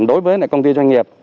đối với công ty doanh nghiệp